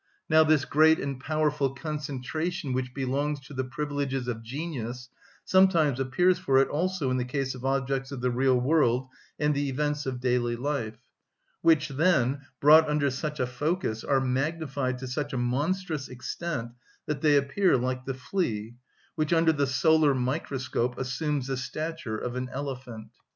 Now this great and powerful concentration which belongs to the privileges of genius sometimes appears for it also in the case of objects of the real world and the events of daily life, which then, brought under such a focus, are magnified to such a monstrous extent that they appear like the flea, which under the solar microscope assumes the stature of an elephant.